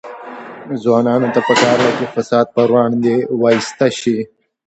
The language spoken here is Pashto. ځوانانو ته پکار ده چې، فساد پر وړاندې وایسته شي.